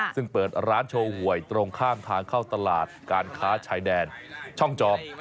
ซึ่งเปิดร้านโชว์หวยตรงข้ามทางเข้าตลาดการค้าชายแดนช่องจอม